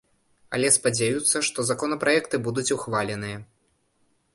Але спадзяюцца, што законапраекты будуць ухваленыя.